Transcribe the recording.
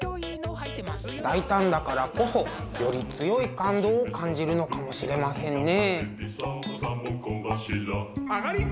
大胆だからこそより強い感動を感じるのかもしれませんね。